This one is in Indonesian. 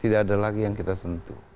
tidak ada lagi yang kita sentuh